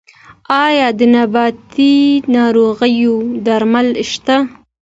آیا د نباتي ناروغیو درمل شته؟